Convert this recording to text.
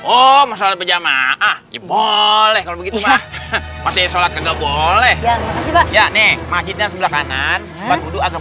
oh masalah berjamaah boleh masih sholat nggak boleh ya nih maksudnya sebelah kanan dikit ya